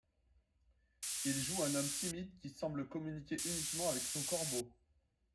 Il joue un homme timide qui semble communiquer uniquement avec son corbeau.